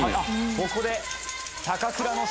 ここで。